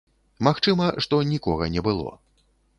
Магчыма, што нікога не было.